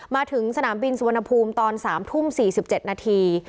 มาถึงสนามบินสุวรรณภูมิตอน๓ทุ่ม๔๗นาที